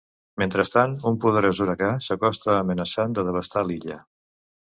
Mentrestant, un poderós huracà s’acosta amenaçant de devastar l’illa.